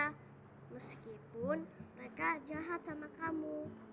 karena meskipun mereka jahat sama kamu